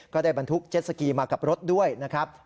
ได้บรรทุกเจ็ดสกีมากับรถด้วยนะครับ